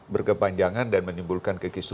berkepanjangan dan menimbulkan kekisruhan